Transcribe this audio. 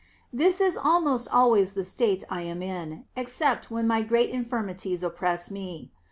This is almost always the state I am in, except when my great infirmities oppress me.